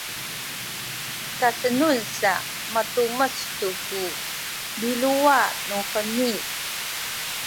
kasenun sa matumes tu ku biluwa nuheni